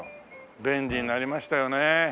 便利になりましたよね。